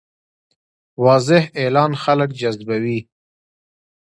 واضح اعلان خلک جذبوي.